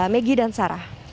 megi dan sarah